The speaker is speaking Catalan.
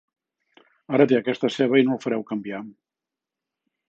Ara té aquesta ceba i no el fareu canviar.